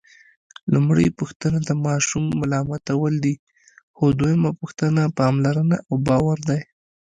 لومړۍ پوښتنه د ماشوم ملامتول دي، خو دویمه پوښتنه پاملرنه او باور دی.